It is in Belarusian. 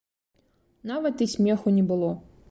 Нават і смеху не было.